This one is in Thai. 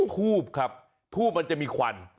ภูมิมันจะมีควัน